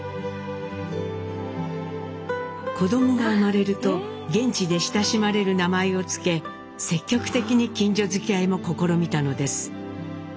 子供が生まれると現地で親しまれる名前を付け積極的に近所づきあいも試みたのです。